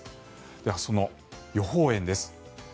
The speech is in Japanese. では、予報円です。